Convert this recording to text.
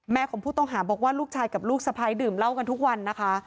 ของผู้ต้องหาบอกว่าลูกชายกับลูกสะพ้ายดื่มเหล้ากันทุกวันนะคะ